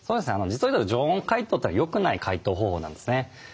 実を言うと常温解凍というのはよくない解凍方法なんですね。